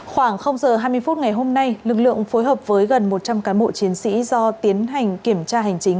khoảng giờ hai mươi phút ngày hôm nay lực lượng phối hợp với gần một trăm linh cán bộ chiến sĩ do tiến hành kiểm tra hành chính